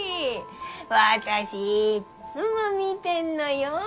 私いっつも見てんのよ。